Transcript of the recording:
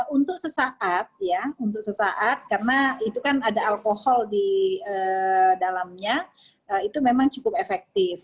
untuk sesaat karena itu kan ada alkohol di dalamnya itu memang cukup efektif